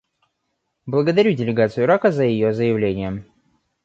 Благодарю делегацию Ирака за ее заявление.